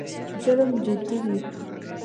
جرم جدي وي.